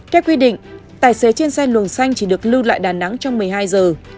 theo quy định tài xế trên xe luồng xanh chỉ được lưu lại đà nẵng trong một mươi hai giờ